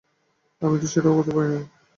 আমি তো সেটাও করতে পারি না।